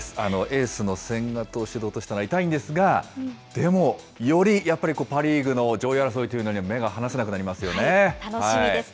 エースの千賀投手で落としたのが痛いんですが、でもよりやっぱりパ・リーグの上位争いというのは目が離せなくな楽しみです。